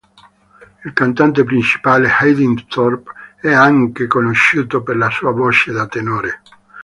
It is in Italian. Il cantante principale Hayden Thorpe è anche conosciuto per la sua voce da tenore.